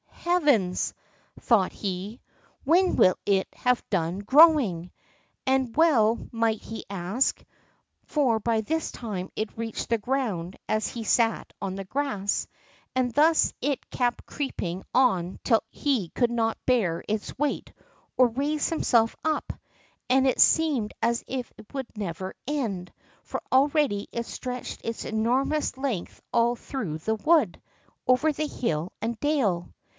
"Heavens!" thought he, "when will it have done growing?" And well might he ask, for by this time it reached the ground as he sat on the grass—and thus it kept creeping on till he could not bear its weight or raise himself up; and it seemed as if it would never end, for already it stretched its enormous length all through the wood, over hill and dale.